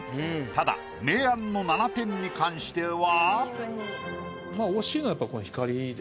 ただ明暗の７点に関しては。